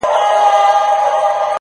• یو څه یاران یو څه غونچې ووینو,